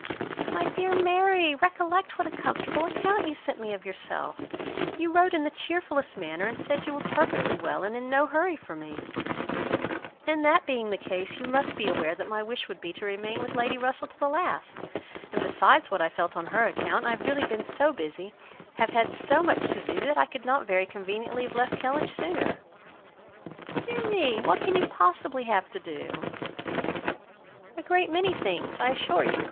"My dear Mary, recollect what a comfortable account you sent me of yourself! You wrote in the cheerfullest manner, and said you were perfectly well, and in no hurry for me; and that being the case, you must be aware that my wish would be to remain with Lady Russell to the last: and besides what I felt on her account, I have really been so busy, have had so much to do, that I could not very conveniently have left Kellynch sooner." "Dear me! what can you possibly have to do?" "A great many things, I assure you.